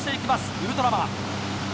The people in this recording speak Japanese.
ウルトラマン。